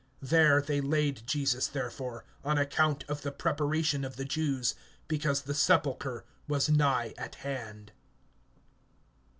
(42)There they laid Jesus therefore, on account of the preparation of the Jews, because the sepulchre was nigh at hand.